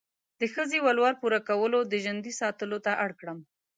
د ښځې ولور پوره کولو، د ژندې ساتلو ته اړ کړم.